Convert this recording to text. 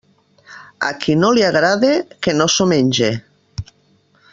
A qui no li agrade, que no s'ho menge.